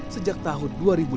sejak tahun dua ribu lima belas